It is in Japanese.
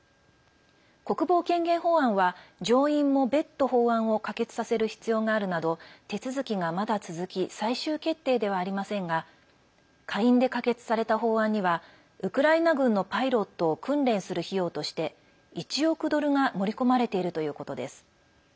国防権限法案は上院も別途法案を可決させる必要があるなど手続きが、まだ続き最終決定ではありませんが下院で可決された法案にはウクライナ軍のパイロットを訓練する費用として、１億ドルが盛り込まれているということです。